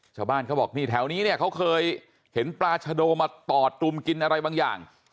ชาวบ้านเขาบอกนี่แถวนี้เนี่ยเขาเคยเห็นปลาชะโดมาต่อตุมกินอะไรบางอย่าง